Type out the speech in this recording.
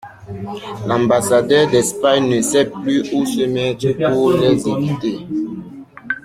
L'ambassadeur d'Espagne ne sait plus où se mettre pour les éviter.